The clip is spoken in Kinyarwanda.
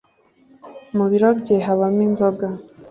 mubiro bye habamo inzoga